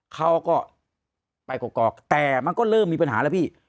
เขาก็ไปกรอกแต่มันก็เริ่มมีปัญหาแล้วพี่